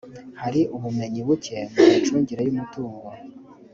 hari ubumenyi buke mu micungire y umutungo